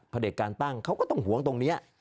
เด็จการตั้งเขาก็ต้องหวงตรงนี้